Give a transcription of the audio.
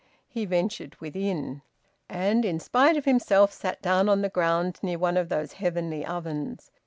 He ventured within, and in spite of himself sat down on the ground near one of those heavenly ovens.